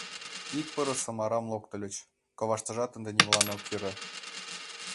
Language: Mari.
— Ик пырысым арам локтыльыч, коваштыжат ынде нимолан ок йӧрӧ.